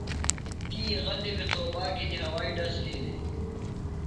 تی غلی بھےۡ توباک گِھنی ہوائی ڈز تِھیلیۡ۔